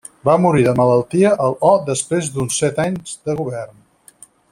Va morir de malaltia el o després d'uns set anys de govern.